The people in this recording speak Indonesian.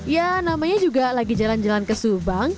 ya namanya juga lagi jalan jalan ke subang